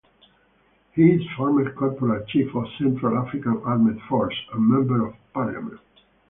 He is former corporal chief of Central African Armed Forces and member of parliament.